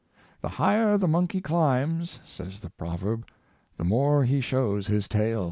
" The higher the monkey climbs," says the proverb, " the more he shows his tail."